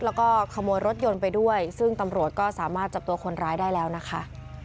แล้วก็ขโมยรถยนต์ไปด้วยซึ่งตำรวจก็สามารถจับตัวคนร้ายได้แล้วนะคะ